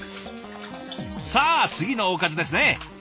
さあ次のおかずですね。